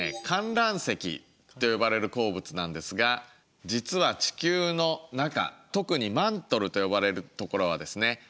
カンラン石と呼ばれる鉱物なんですが実は地球の中特にマントルと呼ばれる所はですね